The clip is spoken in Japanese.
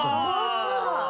すごーい。